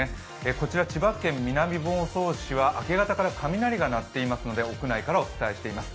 こちら千葉県南房総市は明け方から雷が鳴っていますので屋内からお伝えしています。